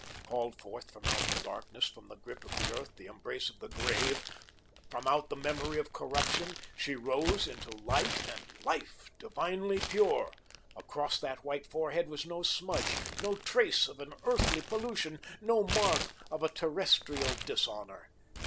Called forth from out the darkness, from the grip of the earth, the embrace of the grave, from out the memory of corruption, she rose into light and life, divinely pure. Across that white forehead was no smudge, no trace of an earthly pollution no mark of a terrestrial dishonour.